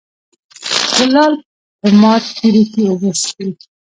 ـ کولال په مات کودي کې اوبه څکي.